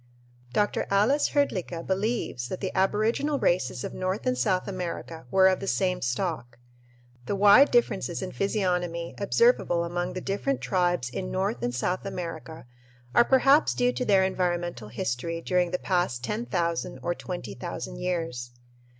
Dr. Ales Hrdlicka believes that the aboriginal races of North and South America were of the same stock. The wide differences in physiognomy observable among the different tribes in North and South America are perhaps due to their environmental history during the past 10,000 or 20,000 years.